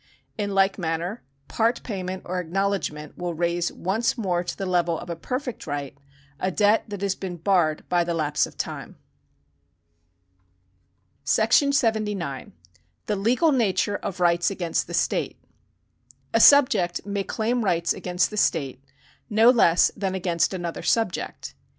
In like manner part payment or acknowledgment will raise once more to the level of a perfect right a debt that has been barred by the lapse of time. § 79. The Legal Nature of Rights against the State. A subject may claim rights against the state, no less than against another subject.